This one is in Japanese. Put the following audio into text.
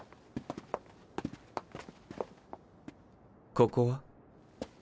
ここは？